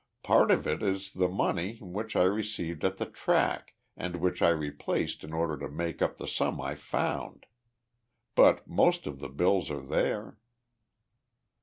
Part of it is the money which I received at the track and which I replaced in order to make up the sum I found. But most of the bills are there."